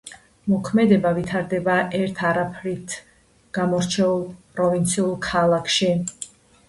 მოქმედება ვითარდება ერთ არაფრით გამორჩეულ პროვინციულ ქალაქში.